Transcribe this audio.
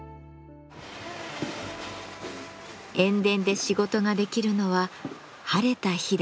塩田で仕事ができるのは晴れた日だけ。